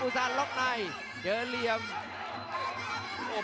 หัวจิตหัวใจแก่เกินร้อยครับ